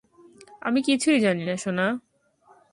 আমি কিছুই জানি না সোনা।